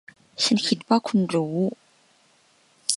ฉันคิดว่าคุณรู้